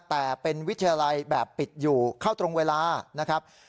แต่เป็นวิทยาลัยแบบปิดอยู่เข้าตรงเวลานะครับ